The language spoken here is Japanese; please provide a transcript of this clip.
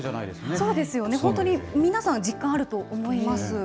そうですよね、本当に皆さん、実感あると思います。